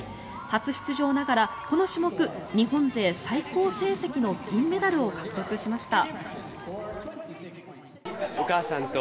初出場ながら、この種目日本勢最高成績の銀メダルを獲得しました。